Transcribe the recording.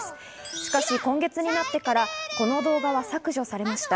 しかし今月になってから、この動画は削除されました。